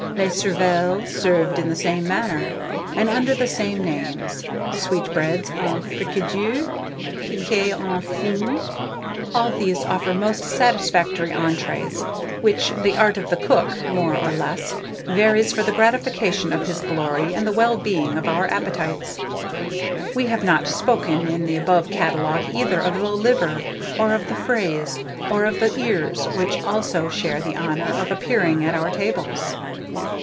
les cervelles, served in the same manner, and under the same names; sweetbreads en fricandeau, piqués en fin, all these offer most satisfactory entrées, which the art of the cook, more or less, varies for the gratification of his glory and the well being of our appetites. We have not spoken, in the above catalogue, either of the liver, or of the fraise, or of the ears, which also share the honour of appearing at our tables.